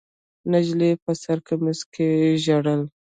نجلۍ په سره کمیس کې ژړل.